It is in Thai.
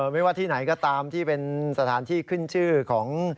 ไม่ว่าที่ไหนก็ตามที่เป็นสถานที่ขึ้นชื่อของ